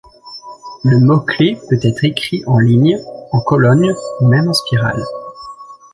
Le mot clé peut être écrit en ligne, en colonne ou même en spirale.